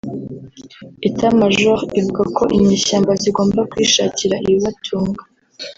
etat major ivuga ko inyeshyamba zigomba kwishakira ibibatunga